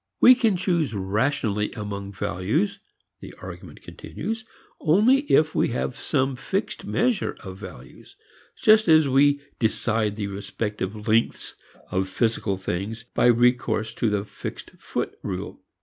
We can choose rationally among values, the argument continues, only if we have some fixed measure of values, just as we decide the respective lengths of physical things by recourse to the fixed foot rule.